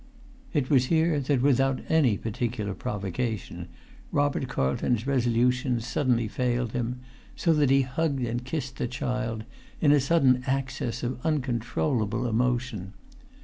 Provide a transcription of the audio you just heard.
It was here that, without any particular provocation, Robert Carlton's resolution suddenly failed him, so that he hugged and kissed the child, in a sudden access of uncontrollable emotion.